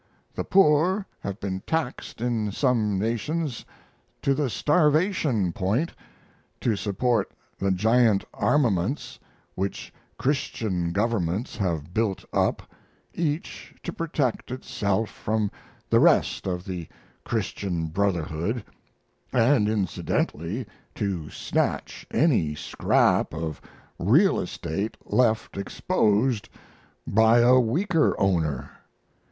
The poor have been taxed in some nations to the starvation point to support the giant armaments which Christian governments have built up, each to protect itself from the rest of the Christian brotherhood, and incidentally to snatch any scrap of real estate left exposed by a weaker owner.